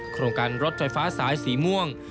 โครงการรถไฟฟ้าสายสีม่วง